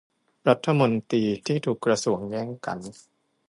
รัฐมนตรีที่ทุกกระทรวงแย่งกัน